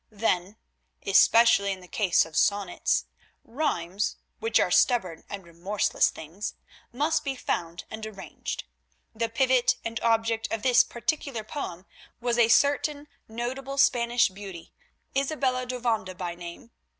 Then, especially in the case of sonnets, rhymes, which are stubborn and remorseless things, must be found and arranged. The pivot and object of this particular poem was a certain notable Spanish beauty, Isabella d'Ovanda by name.